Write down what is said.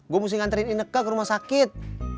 gue mesti nganterin ineka ke rumah sakit